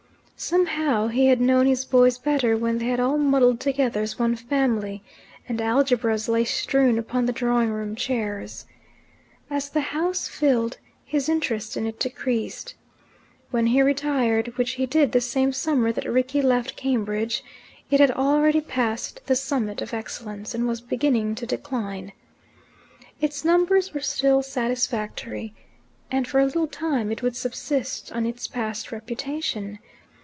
Somehow he had known his boys better when they had all muddled together as one family, and algebras lay strewn upon the drawing room chairs. As the house filled, his interest in it decreased. When he retired which he did the same summer that Rickie left Cambridge it had already passed the summit of excellence and was beginning to decline. Its numbers were still satisfactory, and for a little time it would subsist on its past reputation.